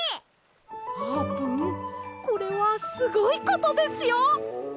あーぷんこれはすごいことですよ！